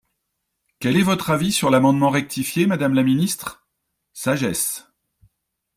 » Quel est votre avis sur l’amendement rectifié, madame la ministre ? Sagesse.